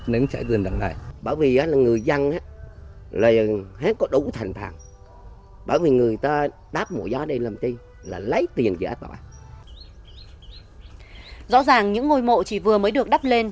những ngôi mộ chỉ vừa mới được đắp lên